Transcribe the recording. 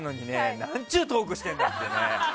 なんちゅうトークしてるんだって。